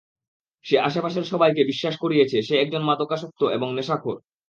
সে আশেপাশের সবাইকে বিশ্বাস করিয়েছে সে একজন মাদকাসক্ত এবং নেশাখোর।